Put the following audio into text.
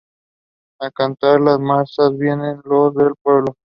A cantar las marzas, vienen los del pueblo.